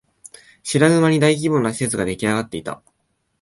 知らぬ間に大規模な施設ができあがっていた